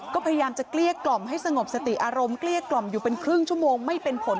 ก็พยายามจะเกลี้ยกล่อมให้สงบสติอารมณ์เกลี้ยกล่อมอยู่เป็นครึ่งชั่วโมงไม่เป็นผล